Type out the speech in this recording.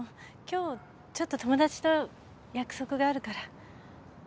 今日ちょっと友達と約束があるから。